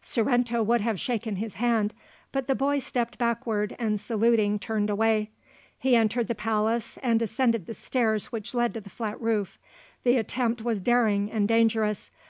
Sorrento would have shaken his hand, but the boy stepped backward and saluting turned away. He entered the palace, and ascended the stairs which led to the flat roof. The attempt was daring and dangerous.